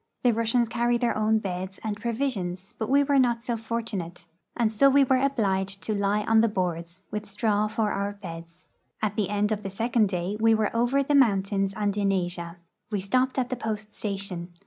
The Russians carry their own beds and provisions, but we were not so fortunate, and so were obliged to lie on the boards, with straw for our beds. At the end of the second day we were over the mountains and in Asia. We stopped at the post station.